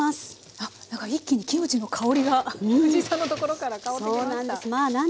あっなんか一気にキムチの香りが藤井さんのところから香ってきました。